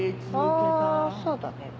あそうだね。